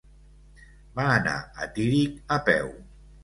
Va anar a Tírig a peu.